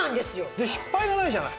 で失敗がないじゃない。